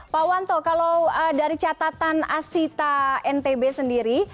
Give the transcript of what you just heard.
pak wanto kalau dari catatan asita ntb sendiri